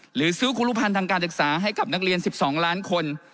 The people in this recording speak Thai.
หรือซื้อครูพันธ์ทางการศึกษาให้กับนักเรียน๑๒ล้านคน